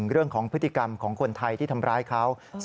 เรื่องของพฤติกรรมของคนไทยที่ทำร้ายเขา